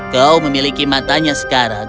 kau memiliki matanya sekarang